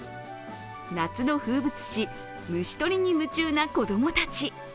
夏の風物詩、虫とりに夢中な子供たち。